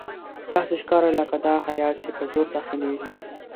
داسې ښکاري لکه دا هیات چې په زور داخليږي.